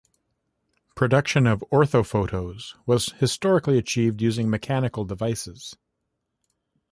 Production of orthophotos was historically achieved using mechanical devices.